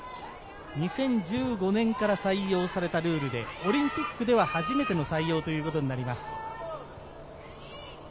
２０１５年から採用されたルールで、オリンピックでは初めての採用となります。